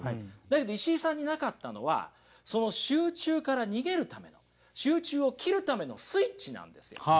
だけど石井さんになかったのはその集中から逃げるための集中を切るためのスイッチなんですよ。